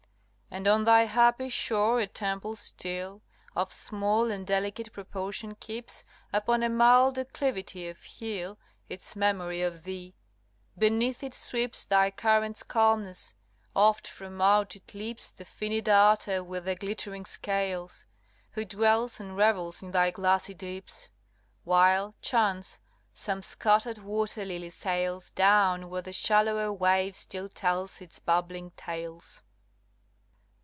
LXVII. And on thy happy shore a temple still, Of small and delicate proportion, keeps, Upon a mild declivity of hill, Its memory of thee; beneath it sweeps Thy current's calmness; oft from out it leaps The finny darter with the glittering scales, Who dwells and revels in thy glassy deeps; While, chance, some scattered water lily sails Down where the shallower wave still tells its bubbling tales.